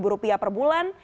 rp empat ratus per bulan